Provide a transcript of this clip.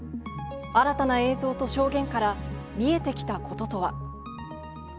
新たな映像と証言から、見えてきたこととは。